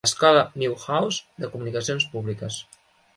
Escola Newhouse de comunicacions públiques.